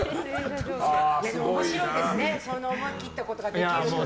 面白いですね、そんな思いきったことができるの。